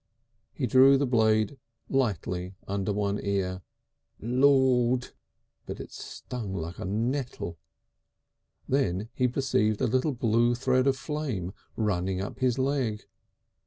He drew the blade lightly under one ear. "Lord!" but it stung like a nettle! Then he perceived a little blue thread of flame running up his leg.